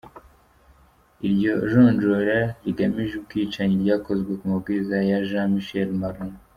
Iryo jonjora rigamije ubwicanyi ryakozwe ku mabwiriza ya Jean-Michel Marlaud.